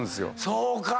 そうか。